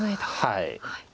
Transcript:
はい。